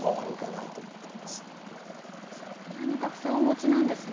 そんなにたくさんお持ちなんですね。